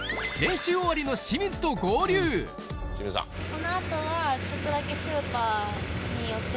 この後はちょっとだけ。